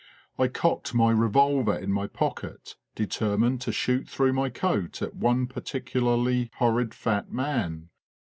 I cocked my revolver in my pocket de termined to shoot through my coat at one particularly horrid fat man.